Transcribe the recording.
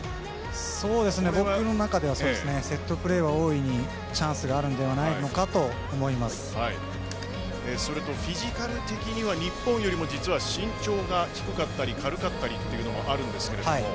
そうですね、僕の中ではセットプレーは大いにチャンスがそれとフィジカル的には日本よりも実は身長が低かったり軽かったりというのはあるんですけれども。